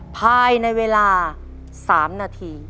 ภายในเวลา๓นาที